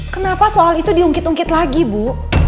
kenapa soal itu diungkit ungkit lagi bu